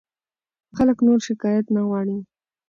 خلک نور شکایت نه غواړي.